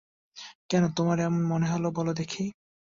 কেন তোমার এমন মনে হল বলো দেখি?